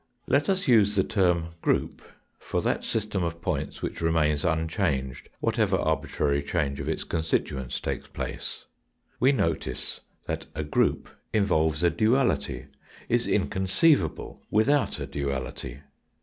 Let us use the term group for that system of points which remains unchanged, whatever arbitrary change of its constituents takes place. We notice that a group involves a duality, is inconceivable without a duality.